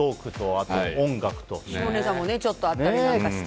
下ネタもちょっとあったりして。